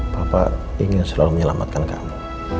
bapak ingin selalu menyelamatkan kamu